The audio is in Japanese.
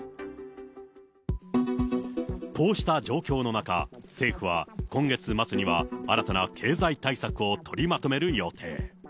こうした状況の中、政府は今月末には、新たな経済対策を取りまとめる予定。